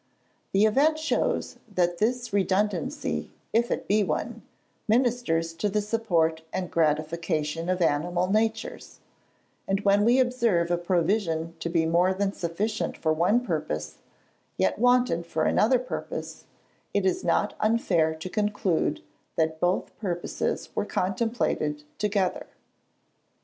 The event shows, that this redundancy, if it be one, ministers to the support and gratification of animal natures; and when we observe a provision to be more than sufficient for one purpose, yet wanted for another purpose, it is not unfair to conclude that both purposes were contemplated together.